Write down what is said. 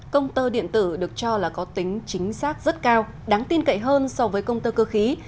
công tơ điện tử được cho là có tính chính xác rất cao đáng tin cậy hơn so với công tơ cơ khí